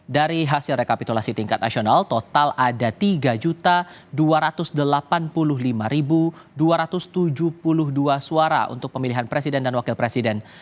dari hasil rekapitulasi tingkat nasional total ada tiga dua ratus delapan puluh lima dua ratus tujuh puluh dua suara untuk pemilihan presiden dan wakil presiden